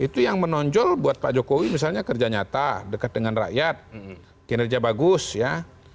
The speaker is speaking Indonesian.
itu yang menonjol buat pak jokowi misalnya kerja nyata dekat dengan rakyat kinerja bagus ya